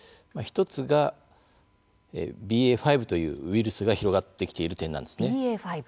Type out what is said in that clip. １つがＢＡ．５というウイルスが広がってきている点なんです。